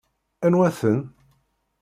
Anwa-ten?